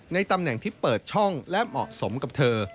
ตำแหน่งที่เปิดช่องและเหมาะสมกับเธอ